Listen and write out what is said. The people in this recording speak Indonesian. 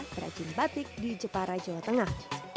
perajin batik di jepara jawa tengah